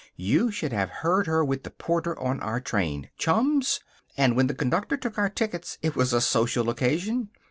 You should have heard her with the porter on our train. Chums! And when the conductor took our tickets it was a social occasion.